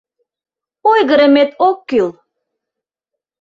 Ойгырымет ок кӱл...